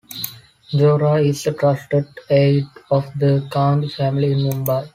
Deora is a trusted aide of the Gandhi family in Mumbai.